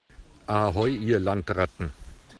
Ahoi, ihr Landratten!